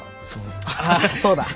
ああそうだ！